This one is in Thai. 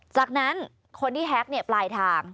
จากนั้นคนที่แฮ็กปลายทาง